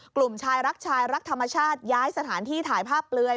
กลุ่มชายรักชายรักธรรมชาติย้ายสถานที่ถ่ายภาพเปลือย